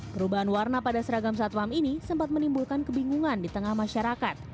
perubahan warna pada seragam satpam ini sempat menimbulkan kebingungan di tengah masyarakat